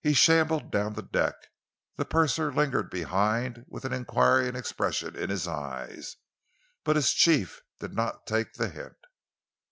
He shambled down the deck. The purser lingered behind with an enquiring expression in his eyes, but his chief did not take the hint.